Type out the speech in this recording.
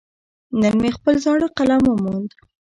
نن مې خپل زاړه قلم وموند.